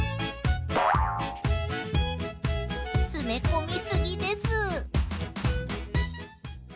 詰め込みすぎです。